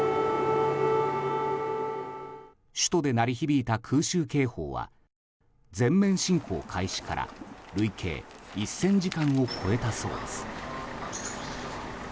首都で鳴り響いた空襲警報は全面侵攻開始から累計１０００時間を超えたそうです。